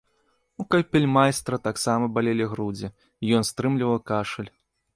У капельмайстра таксама балелі грудзі, і ён стрымліваў кашаль.